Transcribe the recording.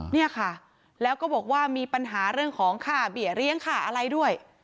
เนี่ยค่ะแล้วก็บอกว่ามีปัญหาเรื่องของค่าเบี่เลี้ยงค่าอะไรด้วย